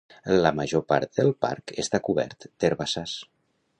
La major part del parc està cobert d'herbassars.